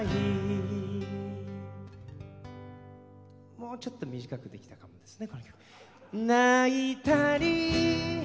もうちょっと短くできたかもですね。